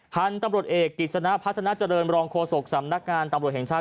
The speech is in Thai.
พันธุ์ตำรวจเอกกิจสนะพัฒนาเจริญรองโฆษกสำนักงานตำรวจแห่งชาติ